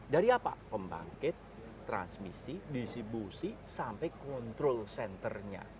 dari apa pembangkit transmisi distribusi sampai kontrol centernya